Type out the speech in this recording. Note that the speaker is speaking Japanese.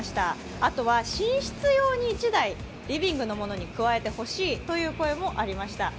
あとは寝室用に１台、リビング用のものに加えて欲しいという意見もありました。